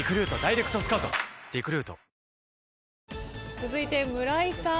続いて村井さん。